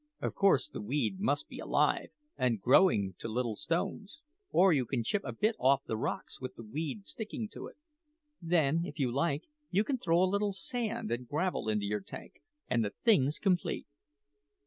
Of course the weed must be alive, and growing to little stones; or you can chip a bit off the rocks with the weed sticking to it. Then, if you like, you can throw a little sand and gravel into your tank, and the thing's complete."